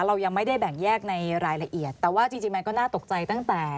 เรายังไม่ได้แบ่งแยกในรายละเอียดแต่ว่าจริงมันก็น่าตกใจตั้งแต่